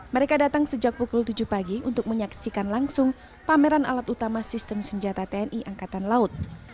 mereka datang sejak pukul tujuh pagi untuk menyaksikan langsung pameran alat utama sistem senjata tni angkatan laut